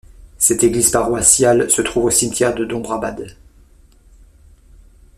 Cette église paroissiale se trouve au cimetière de Dombrabad.